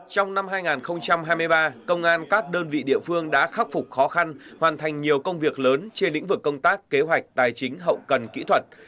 trong năm hai nghìn hai mươi ba công an các đơn vị địa phương đã khắc phục khó khăn hoàn thành nhiều công việc lớn trên lĩnh vực công tác kế hoạch tài chính hậu cần kỹ thuật